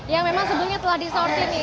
yang memang sebelumnya telah disortir nih